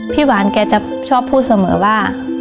หวานแกจะชอบพูดเสมอว่า